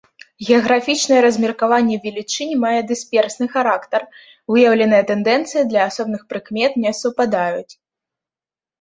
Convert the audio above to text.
Геаграфічнае размеркаванне велічынь мае дысперсны характар, выяўленыя тэндэнцыі для асобных прыкмет не супадаюць.